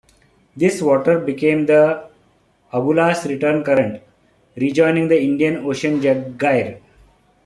This water becomes the Agulhas Return Current, rejoining the Indian Ocean Gyre.